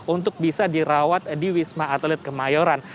untuk bisa dirawat di wisma atlet kemayoran